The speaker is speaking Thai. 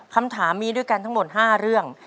คำถามมีด้วยกันทั้งหมด๕เรื่อง